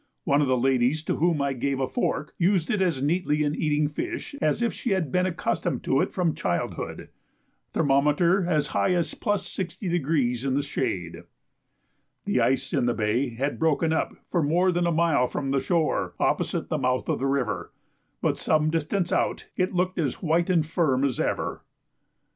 One of the ladies to whom I gave a fork, used it as neatly in eating fish as if she had been accustomed to it from childhood. Thermometer as high as +60° in the shade. The ice in the bay had broken up for more than a mile from the shore opposite the mouth of the river, but some distance out it looked as white and firm as ever.